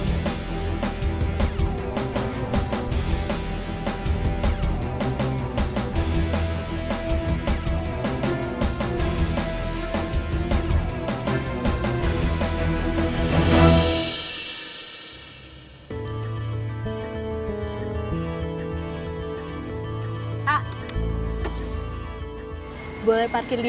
ngecek kerja sama rudi